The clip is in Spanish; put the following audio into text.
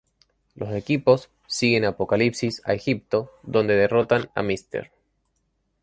Los equipos siguen a Apocalipsis a Egipto, donde derrotan a Mr.